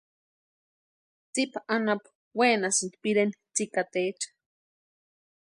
Tsipa anapu wénasïnti pireni tsikataecha.